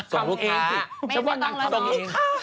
ส่งรู้ค้าเธอต้องเลยส่งรู้ค้า